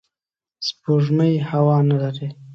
سپوږمۍ هوا نه لري